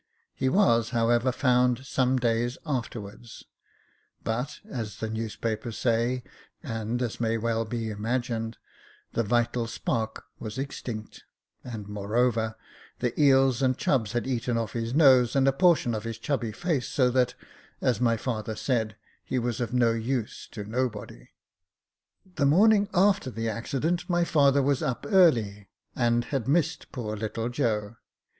He was, however, found some days afterwards ; but, as the newspapers say, and as may well be imagined, the " vital spark was extinct ;" and, moreover, the eels and chubs had eaten off his nose and a portion of his chubby face, so that, as my father said, " he was of no use to nobody." The morning after the accident, my father was up early, and had missed poor little Joe.